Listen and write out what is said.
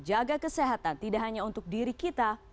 jaga kesehatan tidak hanya untuk diri kita